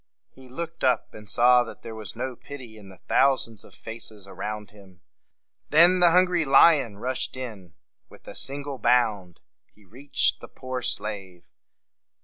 He looked up, and saw that there was no pity in the thou sands of faces around him. Then the hungry lion rushed in. With a single bound he reached the poor slave.